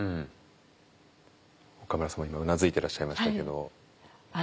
岡村さんも今うなずいてらっしゃいましたけど。